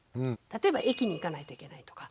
例えば駅に行かないといけないとか。